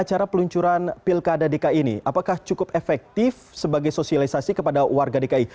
acara peluncuran pilkada dki ini apakah cukup efektif sebagai sosialisasi kepada warga dki